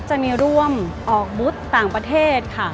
จะมีร่วมออกบุตรต่างประเทศค่ะ